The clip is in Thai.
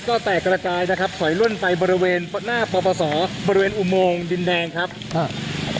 ก็แตกกระจายนะครับถอยล่นไปบริเวณหน้าปปศบริเวณอุโมงดินแดงครับครับ